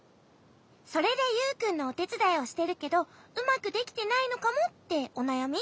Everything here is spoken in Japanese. それでユウくんのおてつだいをしてるけどうまくできてないのかもっておなやみ？